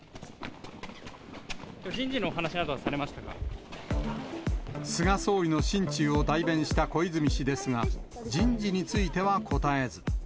人事のお話などはされました菅総理の心中を代弁した小泉氏ですが、人事については答えず。